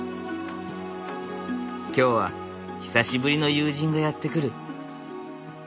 今日は久しぶりの友人がやって来る。